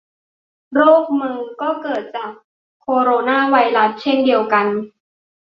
โรคเมอร์สก็เกิดจากโคโรนาไวรัสเช่นเดียวกัน